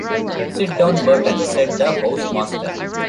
"Sit down, Burton," said the housemaster.